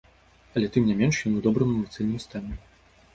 Але тым не менш ён у добрым эмацыйным стане.